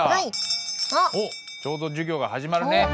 おっちょうど授業が始まるね。